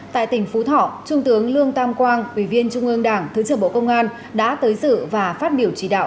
tại tỉnh phú thọ trung tướng lương tam quang ủy viên trung ương đảng thứ trưởng bộ công an đã tới sự và phát biểu chỉ đạo